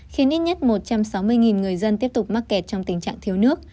khiến ít nhất một trăm sáu mươi người dân tiếp tục mắc kẹt trong tình trạng thiếu nước